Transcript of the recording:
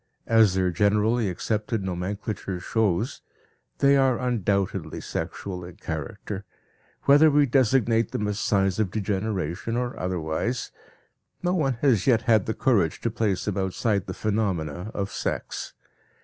As their generally accepted nomenclature shows, they are undoubtedly sexual in character; whether we designate them as signs of degeneration, or otherwise, no one has yet had the courage to place them outside the phenomena of sex.